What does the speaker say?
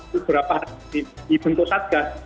beberapa di bentuk satgas